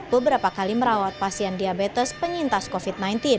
beberapa kali merawat pasien diabetes penyintas covid sembilan belas